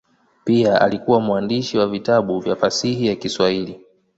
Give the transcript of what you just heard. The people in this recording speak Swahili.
Pia alikuwa mwandishi wa vitabu vya fasihi ya Kiswahili.